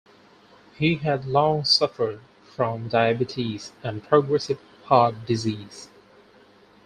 He had long suffered from diabetes and progressive heart disease.